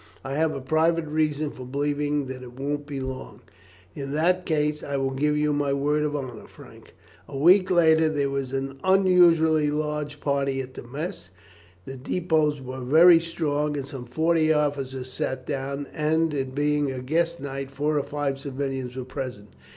I have a private reason for believing that it won't last long." "In that case I will give you my word of honour, Frank." A week later there was an unusually large party at mess, the depôts were very strong, and some forty officers sat down; and it being a guest night, four or five civilians were present.